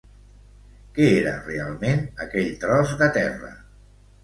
Què era realment aquell tros de terra?